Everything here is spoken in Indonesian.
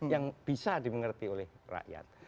yang bisa dimengerti oleh rakyat